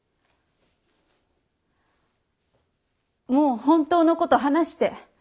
もう本当の事話して！